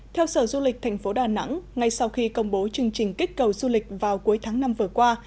theo sở du lịch thành phố đà nẵng ngay sau khi công bố chương trình kích cầu du lịch vào cuối tháng năm vừa qua